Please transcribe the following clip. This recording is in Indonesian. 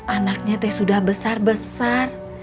anaknya sudah besar besar